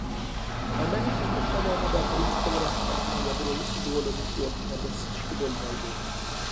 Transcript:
ئەمەلىي خىزمەت داۋامىدا، بىرىنچى قول رەھبەرنىڭ يادرولۇق رولىنىڭ ئورنىغا دەسسىتىشكە بولمايدۇ.